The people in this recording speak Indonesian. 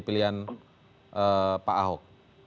keahlian pak ahok